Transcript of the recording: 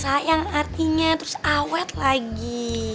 sampai jumpa lagi